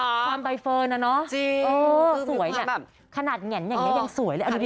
ความใบเฟิร์นอ่ะเนอะสวยแบบขนาดแง่นอย่างนี้ยังสวยเลยเอาดูดิ